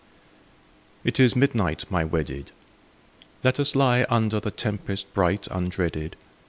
I. It is midnight, my wedded ; Let us lie under The tempest bright undreaded.